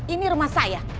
ini rumah saya